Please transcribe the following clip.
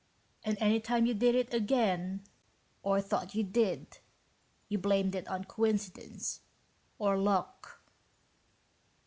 And anytime you did it again, or thought you did, you blamed it on coincidence. Or luck."